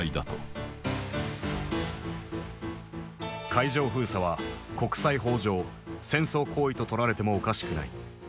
海上封鎖は国際法上戦争行為と取られてもおかしくない。